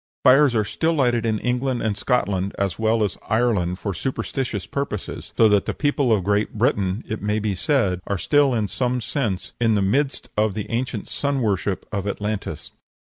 Fires are still lighted in England and Scotland as well as Ireland for superstitious purposes; so that the people of Great Britain, it may be said, are still in some sense in the midst of the ancient sun worship of Atlantis.